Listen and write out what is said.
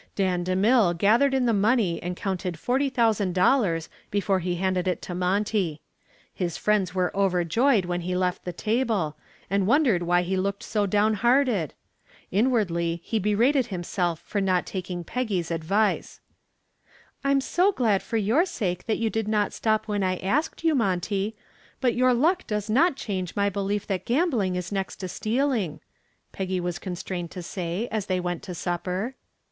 Dan DeMille gathered in the money and counted forty thousand dollars before he handed it to Monty. His friends were overjoyed when he left the table, and wondered why he looked so downhearted. Inwardly he berated himself for not taking Peggy's advice. "I'm so glad for your sake that you did not stop when I asked you, Monty, but your luck does not change my belief that gambling is next to stealing," Peggy was constrained to say as they went to supper.